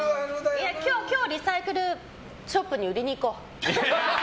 今日、リサイクルショップに売りに行こう。